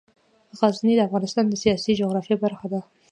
غزني د افغانستان د سیاسي جغرافیه برخه ده.